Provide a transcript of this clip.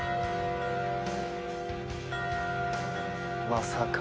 まさか！